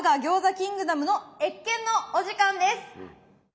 キングダムの謁見のお時間です。